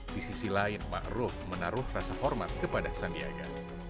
di sisi lain ma'ruf menaruh rasa hormat kepada sandiaga